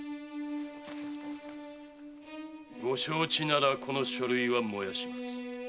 ご承知ならこの書類は燃やします。